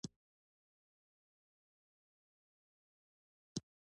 آیا دوی نه غواړي هرات ته ریل راولي؟